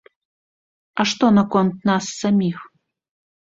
А што наконт нас саміх?